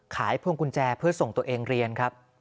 พวงกุญแจเพื่อส่งตัวเองเรียนครับ